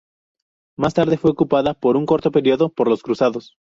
Más tarde fue ocupada por un corto período por los Cruzados.